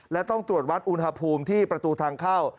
และต้องตรวจวัดอุณหภูมิที่ประตูทางเข้า